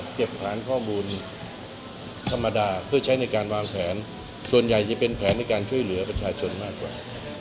ฐานข้อมูลธรรมดาเพื่อใช้ในการวางแผนส่วนใหญ่จะเป็นแผนในการช่วยเหลือประชาชนมากกว่า